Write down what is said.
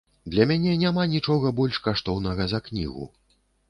Для мяне няма нічога больш каштоўнага за кнігу.